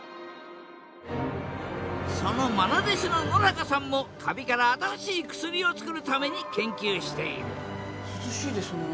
そのまな弟子の野中さんもカビから新しい薬をつくるために研究している涼しいですね。